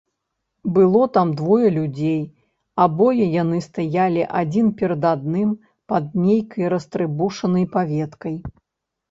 Было там двое людзей, абое яны стаялі адзін перад адным пад нейкай растрыбушанай паветкай.